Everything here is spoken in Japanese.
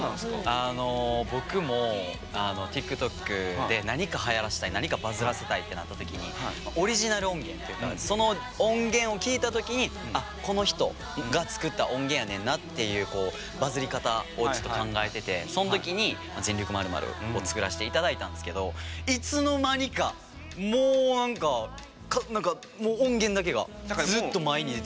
僕もＴｉｋＴｏｋで何かはやらせたい何かバズらせたいってなった時にオリジナル音源というかその音源を聴いた時に「あっこの人が作った音源やねんな」っていうこうバズり方をちょっと考えててその時に「全力○○」を作らせて頂いたんですけどいつの間にかもう何か音源だけがずっと前に出て。